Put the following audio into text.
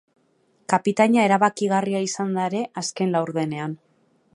Kapitaina erabakigarria izan da ere azken laurdenean.